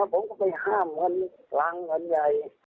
ผมก็ไปห้ามมันหลังมันใหญ่